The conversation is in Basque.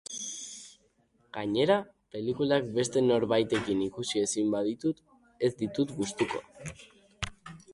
Gainera, pelikulak beste norbaitekin ikusi ezin baditut, ez ditut gustuko.